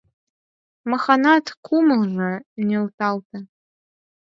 Маханат кумылжо нӧлталте.